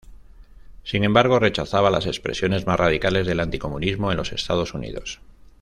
Sin embargo, rechazaba las expresiones más radicales del anticomunismo en los Estados Unidos.